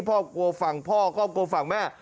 กลัวฝั่งพ่อครอบครัวฝั่งแม่